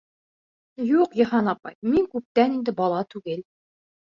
Юҡ, Йыһан апай, мин күптән инде бала түгел.